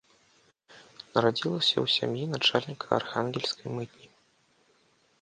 Нарадзілася ў сям'і начальніка архангельскай мытні.